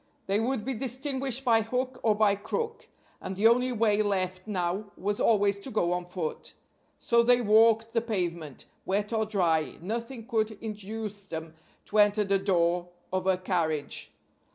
They would be distinguished by hook or by crook, and the only way left now was always to go on foot. So they walked the pavement wet or dry, nothing could induce them to enter the door of a carriage.